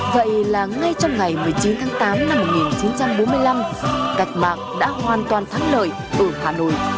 vậy là ngay trong ngày một mươi chín tháng tám năm một nghìn chín trăm bốn mươi năm cách mạng đã hoàn toàn thắng lợi ở hà nội